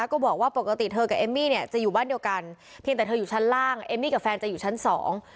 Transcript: ก็บอกว่าปกติเธอกับเอมมี่เนี่ยจะอยู่บ้านเดียวกันเพียงแต่เธออยู่ชั้นล่างเอมมี่กับแฟนจะอยู่ชั้นสอง